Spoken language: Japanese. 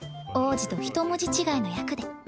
「王子」とひと文字違いの役で。